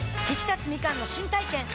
ひきたつみかんの新体験